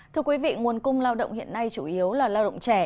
thưa quý vị nguồn cung lao động hiện nay chủ yếu là lao động trẻ